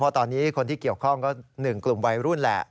เพราะตอนนี้คนที่เกี่ยวข้องก็๑กลุ่มวัยรุ่นแหละ